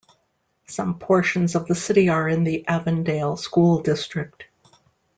Some portions of the city are in the Avondale School District.